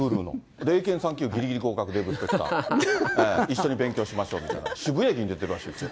で、英検３級ぎりぎり合格、デーブ・スペクター、一緒に勉強しましょうみたいな、渋谷駅に出てるらしいですよ。